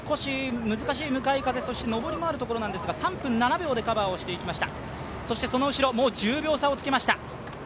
この１ｋｍ、少し難しい向かい風、上りもあるところなんですが、３分７秒でカバーをしていきました。